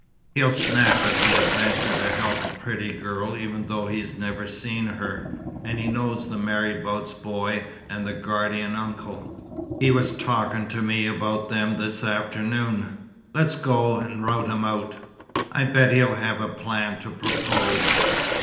He'll snap at an adventure to help a pretty girl even though he's never seen her; and he knows the marabout's boy and the guardian uncle. He was talking to me about them this afternoon. Let's go and rout him out. I bet he'll have a plan to propose."